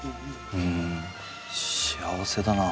うん幸せだな